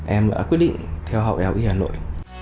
em đã quyết định theo học đại học y hà nội